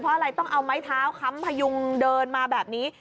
เพราะอะไรต้องเอาไม้เท้าค้ำพยุงเดินมาแบบนี้